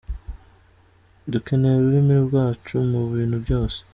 Dukeneye ururimi rwacu mu bintu byose.